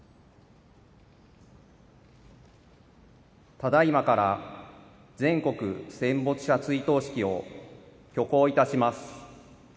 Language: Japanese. ただいまから全国戦没者追悼式を挙行いたします。